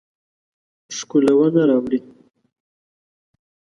ښکلونه راوړي